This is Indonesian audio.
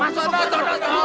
masuk masuk masuk